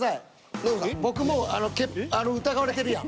僕もう疑われてるやん。